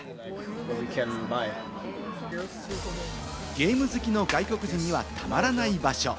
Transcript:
ゲーム好きの外国人にはたまらない場所。